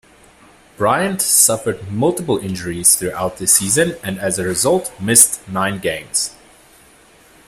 Bryant suffered multiple injuries throughout the season and as a result, missed nine games.